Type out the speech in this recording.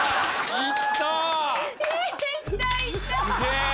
いったー！